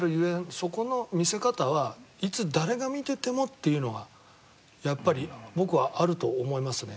そこの見せ方はいつ誰が見ててもっていうのはやっぱり僕はあると思いますね。